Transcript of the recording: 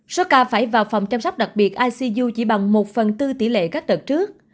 số ca phải vào phòng chăm sóc đặc biệt icu chỉ bằng một phần tư tỷ lệ các đợt trước